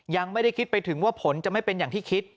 ยังไม่ได้คิดไปถึงว่าผลจะไม่เป็นอย่างที่คิด